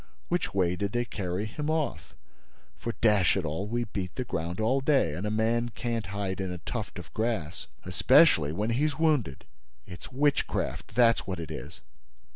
Which way did they carry him off? For, dash it all, we beat the ground all day; and a man can't hide in a tuft of grass, especially when he's wounded! It's witchcraft, that's what it is!